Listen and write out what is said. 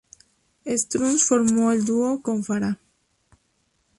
Strunz formó el dúo con Farah.